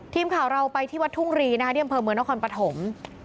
ทีมข่าวเราไปที่วัดทุ่งรีนะคะเรียนแบบมือน้าคอนปฐม